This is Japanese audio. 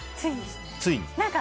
ついに。